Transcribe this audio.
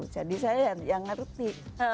jadi saya yang ngerti